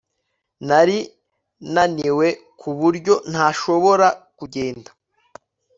nari naniwe ku buryo ntashobora kugenda